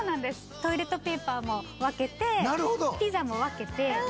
トイレットペーパーも分けてピザも分けて。